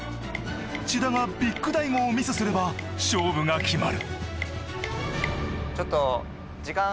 千田がビッグ大悟をミスすれば勝負が決まる。